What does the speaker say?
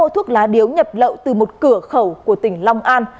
đã mua thuốc lá điếu nhập lộ từ một cửa khẩu của tỉnh long an